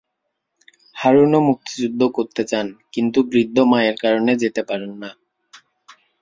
হারুনও মুক্তিযুদ্ধ করতে চান কিন্তু বৃদ্ধ মায়ের কারণে যেতে পারেন না।